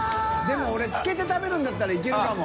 任皺つけて食べるんだったらいけるかも。